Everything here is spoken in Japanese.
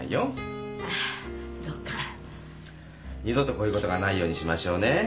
二度とこういうことがないようにしましょうね。